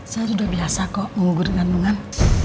saya udah biasa kok mengugur kandungan